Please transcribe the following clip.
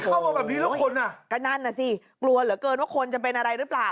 เข้ามาแบบนี้แล้วคนอ่ะก็นั่นน่ะสิกลัวเหลือเกินว่าคนจะเป็นอะไรหรือเปล่า